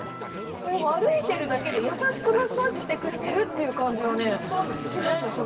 歩いてるだけでやさしくマッサージしてくれてるっていう感じがねします